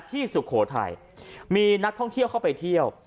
สุโขทัยมีนักท่องเที่ยวเข้าไปเที่ยว